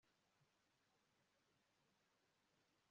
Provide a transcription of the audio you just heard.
tom yambajije niba niteguye gutanga amafaranga